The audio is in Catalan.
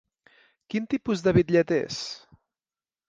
Quin tipus de bitllet és?